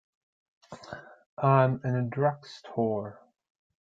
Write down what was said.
I'm in a drugstore.